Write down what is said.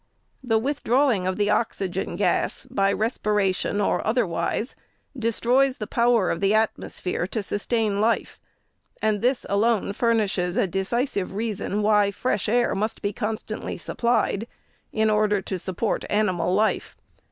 The withdrawing of the oxygen gas, by respiration or otherwise, destroys the power of the atmosphere to sustain life, and this alone furnishes a decisive reason why fresh air must be constantly supplied, in order to support animal life.